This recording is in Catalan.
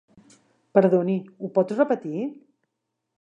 Perdoni, ho pot repetir?